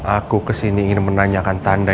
aku kesini ingin menanyakan tanda